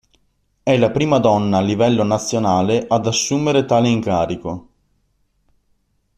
È la prima donna a livello nazionale ad assumere tale incarico.